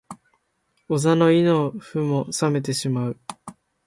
お座も胃の腑も冷めてしまう